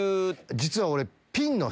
実は俺。